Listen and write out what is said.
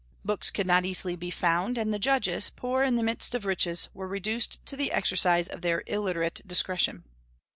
Books could not easily be found, and the judges, poor in the midst of riches, were reduced to the exercise of their illiterate discretion."